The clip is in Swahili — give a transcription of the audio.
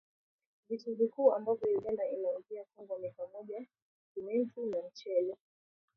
Vitu vikuu ambavyo Uganda inaiuzia Kongo ni pamoja Simenti na mchele